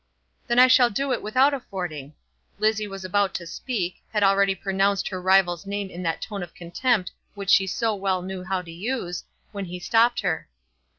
"Then I shall do it without affording." Lizzie was about to speak, had already pronounced her rival's name in that tone of contempt which she so well knew how to use, when he stopped her.